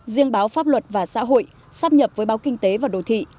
riêng báo pháp luật và xã hội sắp nhập với báo kinh tế và đồ thị